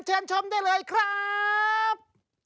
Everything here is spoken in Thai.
เชิญชมได้เลยครับ